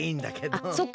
あっそっか。